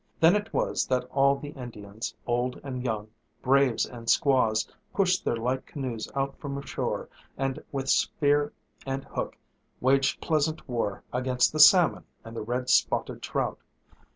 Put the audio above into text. Then it was that all the Indians, old and young, braves and squaws, pushed their light canoes out from shore and with spear and hook waged pleasant war against the salmon and the red spotted trout.